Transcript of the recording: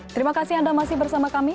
terima kasih anda masih bersama kami